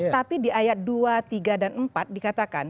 tapi di ayat dua tiga dan empat dikatakan